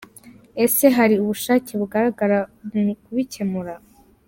Ese hari ubushake bugaragara mu kubikemura?